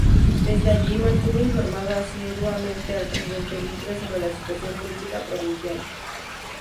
Desde allí mantuvo informado asiduamente al Presidente Mitre sobre la situación política provincial.